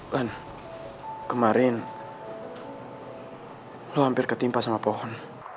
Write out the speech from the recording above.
kan kemarin lo hampir ketimpa sama pohon